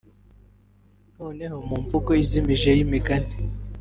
noneho mu mvugo izimije y'imigani